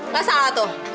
gak salah tuh